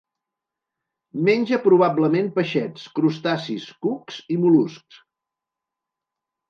Menja probablement peixets, crustacis, cucs i mol·luscs.